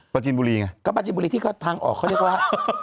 จินบุรีไงก็ประจินบุรีที่เขาทางออกเขาเรียกว่า